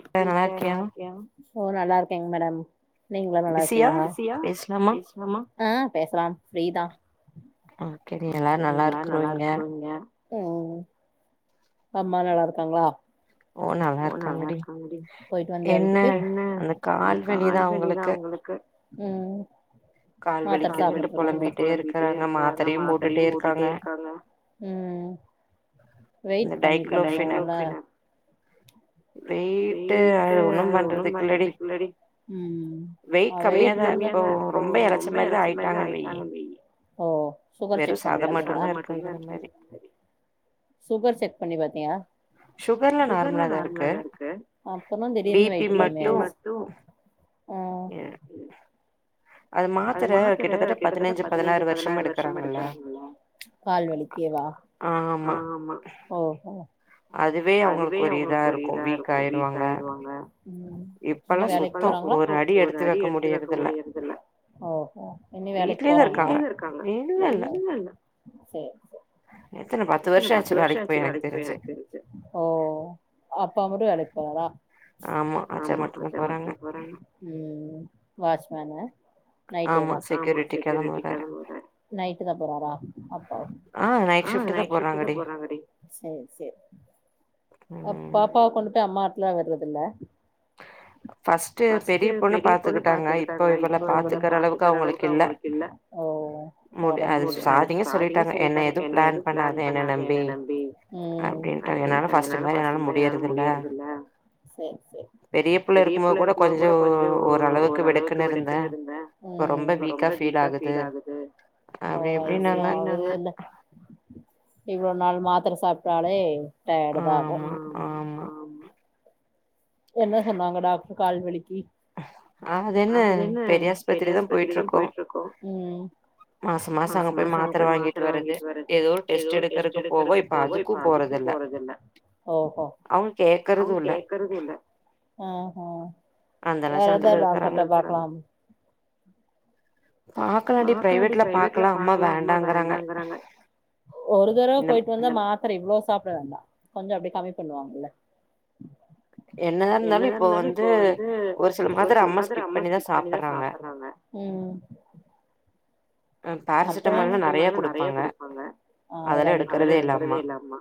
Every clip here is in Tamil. எப்டி இருக்க நல்லா இருக்கியா ஓ நல்லார் கேங் மேடம் நீங்கலா நல்லா இருக்கீங்களா பிசியா பேஸ்லாமா ஆஹ் பேஸ்லாம் ஃபிரீதா [unintelligible] நல்லா இருக்றோங்க ம் அம்மா நல்லா இருக்காங்களா ஓ நல்லா இருக்காங்கடி போய்டு வந்திய வீட்டுக்கு என்ன அந்த கால் வலிதா அவங்களுக்கு ம் மாத்தர சாப்டுடுருக்காங்க புலம்பிட்டே இருக்காங்க மாத்தரையு போட்டுடே இருக்காங்க ம் ம் வெயிட் கம்மி [unintelligible] வெய்ட்டு் அது ஒண்ணு பண்றதுக்கு இல்லடி ம் ம் வெயிட் கம்மியாதா இப்போ ரொம்ப. இலச்ச மாரிதா ஆயிட்டாங்கன்னு வையி ஓ சுகர் செக் பண்ணியாச்சா அம்மாக்கு [unintelligible] சுகர் செக் பண்ணிபாத்தியா சுகர்லா நார்மலா தா இருக்கு [unintelligible] அப்பென்ன திடீர்னு வெய்ட் கம்மியாச்சு பி பி மட்டு அது மாத்தர கிட்டத்தட்ட பதுனஞ்சு பதினாறு வருஷமா எடுக்கறாங்கள கால் வலிக்கேவா ஆமா அதுவே அவங்களுக்கு ஒரு இதாருக்கு வீக் ஆயிருவாங்க ம் இன்னு வேலைக்கு போறாங்களா இப்பெல்லா சுத்தோ ஒரு அடி எடுத்து வைக்க முடியறதில்ல ஒ ஹோ இன்னு வேலைக்கு போறாங்களா வீட்லதா இருக்காங்க இல்ல இல்ல சேரி சேரி எத்தன பத்து வருஷோ ஆச்சு வேலைக்கு போயி எனக்கு தெரிஞ்சு ஓ அப்பா மட்டும் வேலைக்கு போறாரா ஆமா ஆச்சா மட்டுதா போறாங்க ம் வாட்ச்மேனு நைட்டேவா ஆமா செக்யூரிட்டி [unintelligible] நைட்டு தா போறாரா அப்பா அ நைட் ஷிப்ட் தா போறாங்க டெய்லி சேரி சேரி அப் பாப்பாவ கொண்டு போய் அம்மா வீட்ல விடுறதில்ல ஃபஸ்ட் பெரிய பொண்ணு பாத்துக்கிட்டாங்க இப்ப [unintelligible] பாத்துக்கற அளவுக்கு அவங்களுக்கு இல்ல ஓ ஓ [unintelligible] ஸ்டாடிங்ளே சொல்லிட்டாங்க என்ன எதுவு பிளான் பண்ணாத என்ன நம்பி அப்டின்டாங்க என்னால ஃபஸ்ட் மாரி என்னால முடியறதில்ல சேரி சேரி பெரிய புள்ள இருக்கும்போது கூட கொஞ்சோ ஓரளவுக்கு வெடுக்குனு இருந்தே ம் ம் இப்ப ரொம்ப வீக்கா ஃபீல் ஆகுது அ வயசாவுதுல அப்டி இப்டினாங்க [unintelligible] ஒரு நாள் மாத்தர சாப்டாலே ட்டா தாகு ம் ம் ஆமா ஆமா என்ன சொன்னாங்க டாக்டர் கால்வலிக்கி அது என்ன பெரியாஸ்பத்திரிதா போயிட்டு இருக்கோ ம் மாசோ மாசோ அங்க போய்யி மாத்தர வாங்கிட்டு வர்றது ஏதோ ஓரு டெஸ்ட் எடுக்கிறதுக்கு போவோ இப்ப அதுக்கு போறதில்ல ஒ ஓ அவங்க கேக்குறது இல்ல ஆ ஆ வேற எந்த டாக்டர்ட பாக்கலாம் பாக்கலாண்டி பிரைவேட்ல பாக்கலா அம்மா வேண்டாங்கறாங்க ஒரு தடவ போயிட்டு வந்தா மாத்தர இவ்ளோ சாப்ட வேண்டா கொஞ்சு அப்பிடியே கம்மி பண்ணுவாங்கல்ல என்னதா இருந்தாலு இப்போ வந்து ஒரு சில மாத்துர அம்மா ஸ்கிப் பண்ணிதா சாப்பர்றாங்க பேரசிட்டமால்தா நறைய குடுப்பாங்க அதல்லா எடுக்குறதே இல்ல‌ அம்மா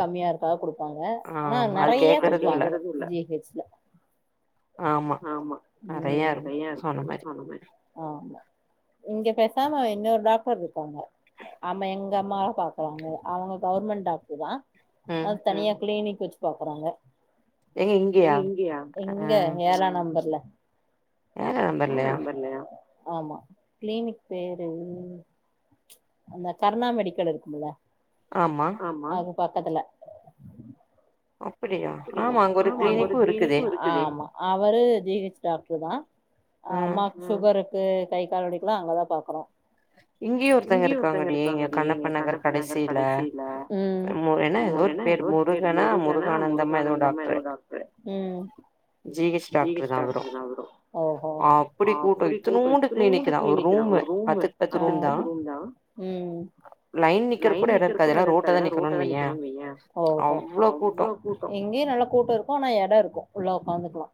கம்மியா இருக்கா குடு பாங்க ஆனா‌ நறையா குடுப்பாங்க‌‌ ஜி ஹெச் ல ஆமா இங்கெ பேசாம இன்னொரு டாக்டர் இருக்காங்க அம்ம எங்க அம்மாவ பாக்குறாங்க அவங்க கவுர்மெண்ட் டாக்ட்ரு தா அ தனியா கிளினிக்‌ குச்‌ பாக்குறாங்க எங்க இங்கேயா இங்க ஏழா நம்பர்ல வேர நம்பர்ரில்லையா ஆமா க்ளினிக் பேரு அந்த கர்ணா மெடிக்கல் இருக்கும்ல ஆமா அது பக்கத்துல அப்படியா‌ ஆமா‌ அங்க ஒரு‌ கிளினிக்கு இருக்குது ஆமா அவரு ஜீ எ‌ச் டாக்டரு தா அம்மாக்கு சுகரு கு கை கால் வலிக்குலா அங்கதா பாக்குறோ இங்கேயு ஒருத்தங்க இருக்காங்கடி இங்க கண்ணப்ப நகர் கடைசியில மு‌ என்ன ஏதோ ஒரு பேர் முருகனா முருகானந் முருகானந்தம்னு ஏதோ ஒரு டாக்டரு ம்‌ ஜி எச் டாக்டருதா அவரு‌ ஓ ஓ அப்பிடி கூட்டோ இத்துனூன்டு‌ கிளினிக்‌ தா‌‌ ஒரு‌ ரூமு ம் பத்துக்கு பத்து‌ ரூம் தா ம் ம் லைன் நிக்ற கூட எடோ இருக்காது‌ எல்லா ரோட்ல‌ தா நிக்கனுன்‌ வையே ஓ ஓ ம்ச்‌ அவ்ளோ கூட் இங்கியு நல்லா கூட்டொ இருக்கு ஆனா எடொ இருக்கு உள்ள ஒக்காந்துக்லா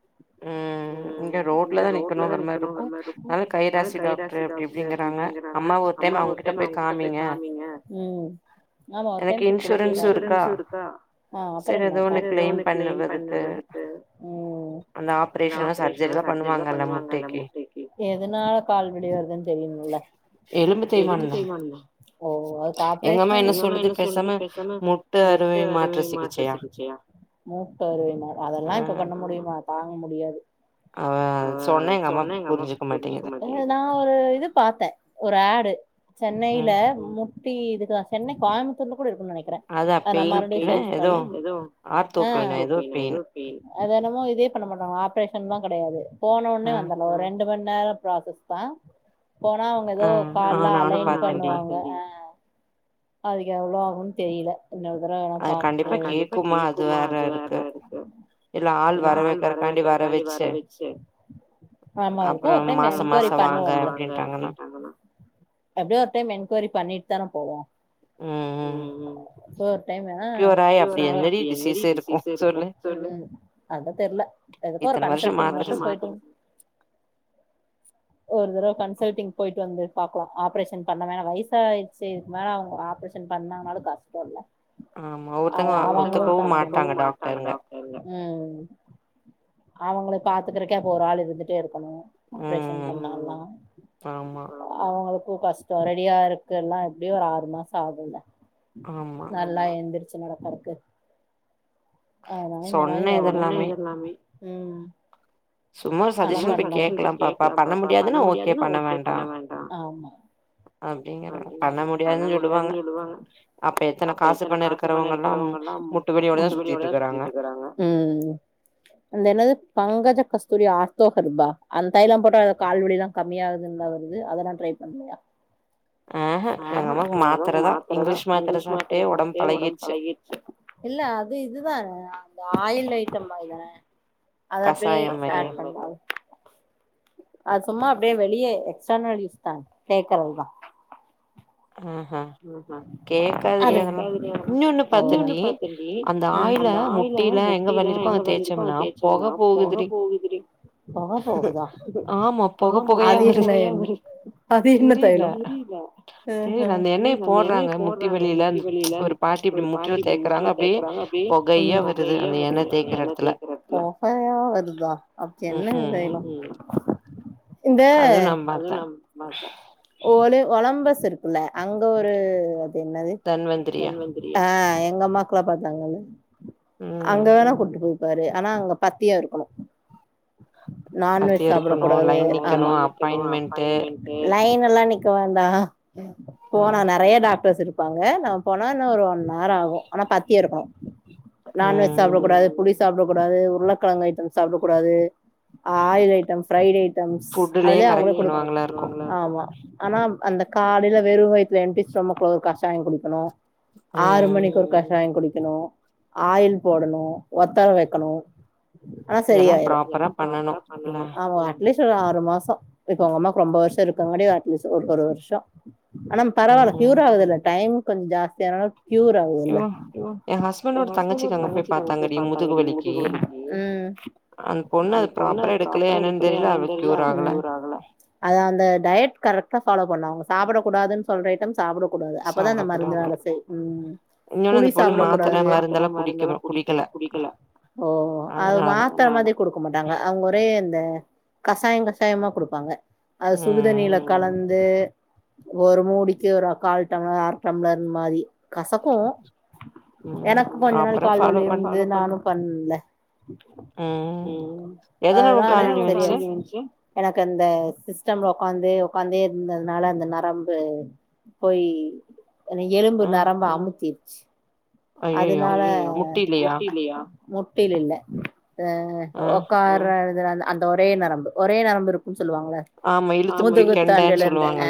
ம் இங்க ரோட்லதா நிக்கணு வருமாரிருக்கு நல்ல கைராசி டாக்டரு அப்டி இப்டிங்ராங்க அம்மா ஒர் டைம் அவங்ககிட்டபோய் காமிங்க ம் ஆமா ஒர் டைம் போய் கூட கேக் எனக்கு இன்ஷுரன்ஸூருக்கா ஆ அப்பற என்ன ஏதோ ஒன்னு கிளைம் பண்ணறதுக்கு அந்த ஆப்ரேஷனோ சர்ஜரிதா பண்ணுவாங்கல்ல முட்டிக்கு எதனால கால் வலி‌‌ வருதுனு தெரியனுல்ல எலும்பு தேய்மானந்தா ஓ‌ ஓ அதுக்கு ஆப்பிரேஷன் எங்க அம்மா என்ன‌ சொல்லுது பேசாம முட்டை அறுவை மாற்று சிகிச்சையா மூட்டு அருவை நா அதெல்லா இப்ப பண்ண முடியுமா ப தாங்க முடியாது ஆ சொன்னே எங்க அம்மா புரிஞ்சிக்க மாட்டே நா ஒரு இது பாத்தே ஒரு ஆடு சென்னையில முட் கி இதுக்கா சென்னை கோயமுத்தூர்ல கூட இருக்கனு நெனைக்கிறே அனா ‌ நா மருபடியு சேஞ் பன் எதோ அ [unintelligible] அதெனமோ இதே பண்ண மாட்டங்க அப்ரே இஷ்னன்தா கெடையாது போனொட்னே வந்தர்லா ஒரு ரெண்டு ரெண் நாயப் ஆஃபிஸ் தா போனா அவங்க எதோ கால்லா அலைன் பண்ணுவாங்க ஆஹ் அதுக்கு எவ்வளோ ஆகுனு தெரியல என்ன உதர பாக் ஆனா கண்டிா கேக் குமா அது வேற இருக்கு இல்ல ஆள் வர வக்கறக்காண்டி வர வச்சு ஆமா எதுக்கோ ஒரு டைம் என்குவைரி பண்ணுவோம்ல எப்படியோ ஒரு டைம் என்கொயரி பண்ணிட்டு தானே போவோ ம் ம் [unintelligible] டைம் [unintelligible] என்னடி டிசிசா எடுபோ சொல்லு அதா தெரில எதுக்கோ ஒரு கன்சல்டிங் மட்டு போயிட்டு ஒரு தடவை கன்சல்டிங் போயிட்டு வந்து பாக்லா ஆப்ரேஷன் பண்ணவேனா வயசு ஆய்ட்ச்சு இதுக்கு மேல அவங்க ஆப்ரேஷன் பண்ணானாலு கஷ்டோ இல்லயா ஆமா ஒர்தங்க ஒத்துக் பாவோ ஒத்துக்கவு மாட்டாங்க டாக்டருங்க ம் அவங்கள பாத்துக்கறக்கே அப்ப ஒரு ஆள் இருந்துட்டே இரு பண்ணுவோ ஆப்ரேஷன் பண்ணுணா அவங்களுக் கூ கஷ்டோ ரெடியா இருக்கு எல்லா அப்டி ஒரு ஆறு மாசோ ஆகூல்ல நல்லா எந்திரிச்சு நடப் பருக்கு அதனால இந்த மாதிரி வேற [unintelligible] ம் சும்மா சஜஷன் போய் கேக்கலா பாப்பா பண்ண முடியாதுன்னு ஓகே பண்ண வேண்டா அப்படிங்கற பண்ண முடியாதுன்னு சொல்லுவாங்க அப்ப எத்தன காசு பண்ண இருக்கறவங்க எல்லா முட் ஊட்டுக் வெளியோடதா சுத்திட்ருக்குறாங்க ம் அந்த அண்ணந்தா பா பங்கஜ கஸ்தூரி ஆர்த்தோஹர்பா அந்த தையலா போட்டா அத கால்வலியெல்லா கம்மியாககுதுலா வருது அதெல்லா டரை பண்ணுலியா ஆஹ் எங்க அம்மாக்கு மாத்ரதா இங்கிலீஷ் மாத்ர சாப்ட்டே ஒடம்பு பழகீரீச்சு இல்ல அது இதுதான அந்த ஆயில் ஐட்டம் மாரிதான அது அப்படியே [unintelligible] ஸ்டாட் [unintelligible] அது சும்மா அப்டியே வெளியே எக்ஸ்டர்னல் ஃயூஸ் தா கேக்றதுதா அஹா அது கேக்காதிடி அதூ இன்னொன்னு பாத்தன்டி ம் அந்த ஆயில முட்டில எங்க வலி இருக்கோ அங்க தேச்சம்னா பொக போகுதிடி பொகப்போகுதா அது ஆமா அது [unintelligible] அது என்ன தைலோ தெரீல அ [inaudible] ஏ நம்ப எண்ணைய போடுறாங்க முட்டி வலில ஒரு பாட்டிக்கு முட்டில தேக்கறாங்க அப்டே பொகையா வருது எண்ண தேக்கறப்ப பொகையா வருதா அது என்ன தைல இந்த அது ஒரு ஒலம்பஸ் இருக்குல அங்க ஒரு என்னது தன்வந்திரியா அ உங்க அம்மாக்குலா பாத்தாங்கல்ல அங்க வேணா கூட்டு போய் பாரு ஆனா அங்க பத்திய இருக்கணோ நான்வெஜ் சாப்டக் கூடாது ஆமா லைன் நிக்கினோ அப்பாய்ன்மென்ட்டு லைன் நல்லா நிக்க வேண்டா போனா நறைய டாக்டர்ஸ் இருக்கு இருப்பாங்க நம்ம போனா என்ன ஒரு ஒன் ஹார் ஆகோ ஆனா பத்திய இருக்கணோ நான்வெஜ் சாப்டக்க கூடாது புளி சாப்படக்கூடாது நறைய உருளைக்கேலங்கு ஐட்டம் சாப்டக் கூடாது ஆயில் ஐட்டம் ஃபிரைட் ஐட்டம்ஸ் அதுலயே அவங்க [unintelligible] ஆமா ஆனா அந்த காலில வெறு வய்த்துல எம்டி ஸ்டோமக்ல ஒரு கஷாய குடிக்கணோ ஆறு மணிக்கு ஒரு கஷாயோ குடிக் வக்கணு ஆயில் போடணோ ஒத்தல வைக்கணோ ஆனா சரி ஆயிரோ இதெல்லா ப்ராப்பரா பண்ணனோ ஆமா அட்லீஸ்ட் ஆறு மாசோ இப்ப உங்க அம்மாக்கு ரொம்ப வருஷோ இருக்கங்காட்டியு அட்லீஸ்ட் ஒரு ஒரு வருஷோ ஆன பரவால கியூர் ஆகுதுல்ல டைம் கொஞ்ச ஜாஸ்தி அதுனால கியூர் ஆகுதுல்ல எங்க ஹிஸ்பான்ட் ஓட தங்கச்சிக்கு அங்க போய் பாத்தாங்க டி முதுகு வலிக்கு அந்த பொண்ணு அது ப்பிராப்பரா எடுக்களைய என்னனு தெரியல அதுக்கு கியூர் ஆகல அது அந்த டயட் கரெக்டா ஃபாலோ பண்ணுவாங்க சாப்ட கூடாதுன்னு சொல்ற ஐட்டம்ஸ் சாப்டக்கூடாது அப்பதா அந்த மருந்து வேலை செய் உம் புளி சாப்டக்கூடாது ஓக அது மாத்தர மாரி கொடுக்க மாட்டாங்க அவங்க ஒரே இந்த கசாயம் கஷாயமா கொடுப்பாங்க அது சுடுதண்ணில கலந்து ஒரு மூடிக்கு ஒரு கால் டம்ளர் அர டம்ளர் மாரி கசக்கோ எனக்கு கொஞ்சோ நாள் கால்வலி இருந்து நானும் பண்ணல உம் எதுனால உனக்கு கால் வலி வந்துச்சி எனக்கு அந்த சிஸ் சிஸ்டம்ல ஒக்காந்து ஒக்காந்தே இருந்ததுனால அந்த நர்ம் நரம்பு போயி எலும்பு நரம்ப அமுத்தி அதனால முட்டீலையா முட்டில்ல இல்ல அ உக்கார்ர ந்த அந்த ஒரே நரம்பு ஒரே நரம்பு இருக்கு. [unintelligible] சொல்லுவாங்கள முதுகுத்தண்டுலன்னு ஆ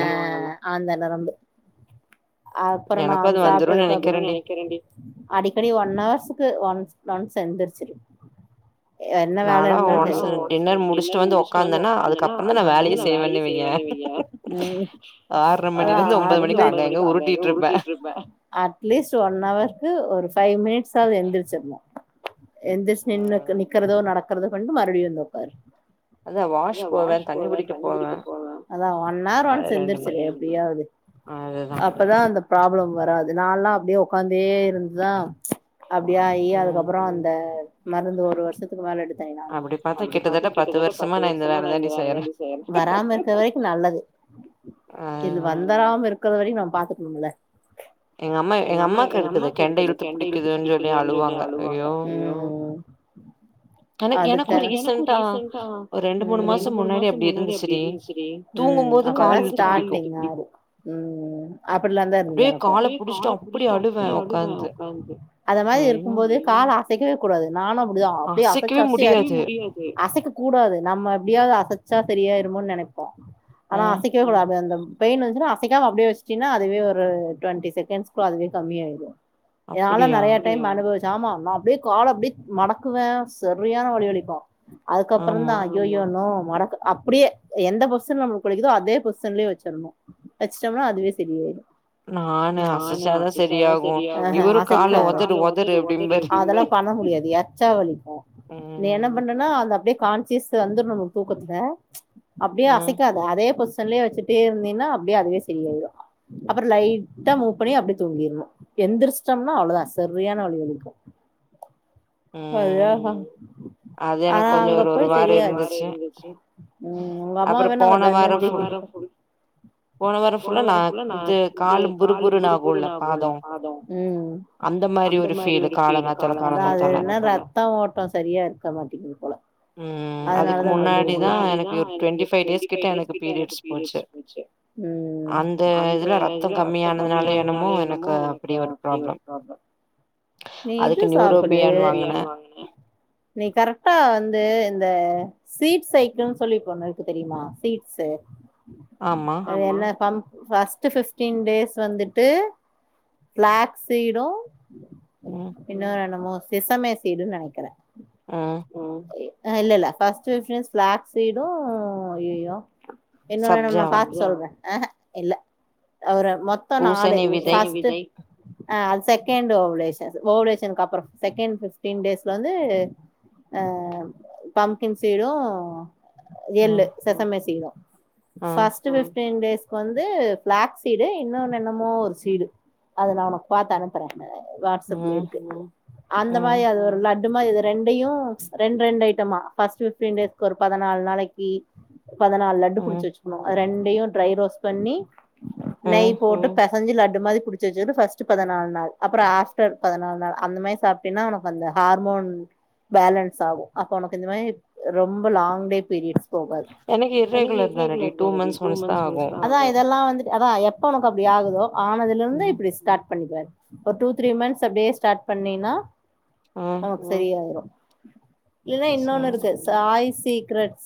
ஆந்த நரம்பு அப்றோ நா அது சாப்டதுக்கு அப்புறோ வந்துருனு நெனைக்கரன்டீ அடிக்கடி ஒன் அவர்ஸ்க்கு ஒன்ஸ் ஒன்ஸ் எந்திருச்சிரு. என்ன வேல இருந்தாலு செரி. ஒன்ஸ் டின்னர் முடுச்சுட்டு வந்து உக்காந்தனா அதுக்கப்றோ தா நா வேலயே செய்வன்னே வெய்யே. ஆ [unintelligible] ஓம்போது மணிக்கு அதா அங்கங்க உருட்டிட்டிருப்ப. At least one hour. [unintelligible] ஒரு பைவ் மினிட்ஸ்ஸாவது எந்திருச்சர்னு எந்திருச்சு நின்னு நிக்கறதோ நடக் பக்கறத கொண்டு மறுப்டியு வந்துக்காரு. அதா வாஷ் போவ தண்ணிகுடிக்க போவ. அதான ஒன்னார் ஒன்ஸ் எந்திருச்சுரு எப்டியாது. அப்பதான் அந்த ப்ராப்ளம் வராது. நால்லா அப்டியே உட்காந்தே இருந்துதா ப்ச் அப்டியாயி அதுக்கப்புறோ அந்த மருந்து ஒரு வருஷத்துக்கு மேல எடு செய்லான்னு. அப்டிபாத்தா கிட்டதட்ட பத்து வருசமா நா இந்த வேலதாண்டீ செய்ர. வராம இருக்க வரைக்கு நல்லது இது வந்தராம இரு இருக்கரவரையு நாம பாத்துக்கணும்ல எங்க அம்மா எங்க அம்மாக்கு இருக்குது க்குது. கெண்ட இழுத்து புடிக்குதுன் சொல்லி அழுவாங்க. ம் அதுக் எனக் எனக்கு ரீசன்டா ஒரு ரெண்டு மூணு மாசோ முன்னாடி அப்டி இருந்துச்சுடீ. ம் அப்போ அதா ஸ்டாடிங் ம்ம் அப்டியல்லாந்தா இருந்து எனக்கு கால புடிச்சிட்டு அப்டி அழுவே. உக்கா [unintelligible] உக்காந்துஅதமாரி இருக்கும்போது கால அசைக்கவே கூடாது. நானு அப்டிதா அப்டியே அசச்சு அசையச் அசைக்க கூடாது. நம்ம எப்டியாது தச்சா சரியாய்ருமோனு நெனப்போ. ஆனா அசைக்கவே கூடாது. [unintelligible] பெயின் வந்துச்னா அசைக்காம அப்டியே வச்சிட்டேன்னாதுவே ஒரு டுவெண்ட்டி செகண்ட்ஸ்கள்ள அதுவே கம்மியாயிரு. இதனால நெறைய டைம் அனுபவிச்சு. ஆமா நா அப்டியே கால அப்டியே மடக்குவே சரியான வலிவலிக்கு. அதுக்கப்றோதா ஐயயோணோ மடக்க அப்டியே எந்த பொஸ்ஸன் நம்ளுக்கு வலிக்குதோ அதே பொஸ்ஸன்லயே வச்சிரணு வச்சுட்டம்னா அதுவே சரியாயிரு. நானு அசச்சாதா சரியாகு. அ அ அசைக்காத கால ஒதரு ஒதரு அதெல்லா பண்ண முடியாது எச்சா வலிக்கு. நீ என்ன பண்றனா அத அப்டியே கான்சியஸ் வந்துருனு நமக்கு தூக்கத்துல அப்டியே அசைக்காது அதே பொஸ் வச்சுட்டே இருந்தீன்னா அப்டியே அதுவே சரிய ஆயிடும் அப்றம் லைட்டா மூவ் பண்ணி அப்டியே தூங்கிருன்னும் எந்திரிச்சிட்டம்னா அவ்ளோ தான் சரியான வலி வலிக்கும் ஆனா அங்கப்ப தெரியாது இருந்துச்சு உங்க அம்மா நா த போன வாரம் கால புரு புருன்னு ஆகும்ல ம் அதாது அந்த மாறி ஒரு பீல் காலங்காத்தலா ரத்தம் ஓட்டம் சரியா இருக்க மாட்டிகிது போல அதனால தா இந்த ம் ம் அதுக்கு முன்னாடி தா எனக்கு டுவென்டி வைவ் டேஸ் கிட்ட எனக்கு பீரியட்ஸ் வந்துச்சு ம்ம் அந்த இதுல ரத்தம் கம்மியானதுனாலையோ என்னமோ அப்படி ஒரு ப்ராப்ளம் அதுக்கு நியூரோபியான் வாங் [unintelligible] நீ கரெக்ட்டா வந்து இந்த சீட் சைக்கிள்னு சொல்லிட்டு ஒன்னு இருக்கு தெரியுமா சீட்ஸ்ஸு ஆமா அது என்ன பம் ஃபஸ்ட்டு ஃபிஃப்டீன் டேஸ் வந்துட்டு பிளாக் சீடும் இன்னொன்னு என்னமோ எஸ் எம் ஏ சீடுன்னு நெனைக்கிற உம் இல்ல இல்ல ஃபர்ஸ்ட் பிபரன்ஸ் பிளாக் சீடும் ஐய்யயோ இன்னொன்னு என்னன்னு நா பாத்து சொல்ற ஆஹ இல்ல அவர மொத்தம் நாலு ஃபஸ்ட்டு ஆ அது செகண்ட் ஓவ்லேஷன் ஓவ்லேஷனுக்கு அப்பறோ செகண்ட் பிஃப்டீன் டேஸ்லருந்து ஆ பம்கின் சீடும் எள்ளு சேசமே சீடும் ஃபஸ்ட் பிஃப்டீன் டேஸ் வந்து பிளாக் சீடு இன்னொன்னு என்னமோ ஒரு சீடு அது நான் உனக்கு பாத்து அனுப்புற வாட்ஸ்அப்ல இருக்கு அந்த மாரி அது ஒரு இந்த மாரி இது ரெண்டையும் ரெண்டு ரெண்டு ஐட்டமா ஃபஸ்ட் பிஃப்டீன் டேஸ்க்கு ஒரு பதனாலு நாளைக்கு பதனாளு லட்டு புடிச்சி வச்சுக்கணும் அது ரெண் ட்ரை ரோஸ் பண்ணி நெய் போட்டு பே செஞ்ச லட்டு மாரி புடிச் வச்சிட்டு ஃபஸ்ட் பதனாலு நாள் அப்பறம் ஆஃப்டர் பதனாலு நாள் அந்த மாரி சாப்பிடின்னா உனக்கு வந்த ஹார்மோன் பேலன்ஸ் ஆகும் அப்ப உனக்கு இந்த மாரி ரொம்ப லாங் டே பீரியட்ஸ் போவாது எனக்கு இர்ரெகுளர் தானடி டூ மந்த்ஸ் ஒன்ஸ் தா அதான் இதல்லாம் வந்து அதான் எப்ப உனக்கு அப்டி ஆகுதோ ஆனதுலர்ந்து இப் ஒரு டூ த்ரீ மன்த்ஸ் அப்டியே ஸ்டாட் பண்ணீனா செரியாய்ரு இல்லனா இன்னொன்னு இருக்கு சாய் சி க்ரட்